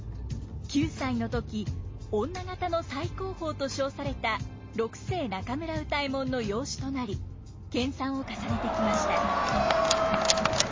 ９歳の時女方の最高峰と称された六世中村歌右衛門の養子となり研鑽を重ねてきました。